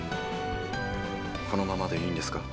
このままでいいんですか？」